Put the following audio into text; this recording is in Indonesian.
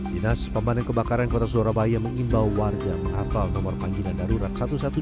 dinas pemandang kebakaran kota surabaya mengimbau warga menghafal nomor panggilan darurat satu ratus dua belas